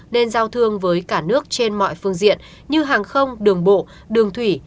nên giao thương với cả nước trên mọi phương diện như hàng không đường bộ đường thủy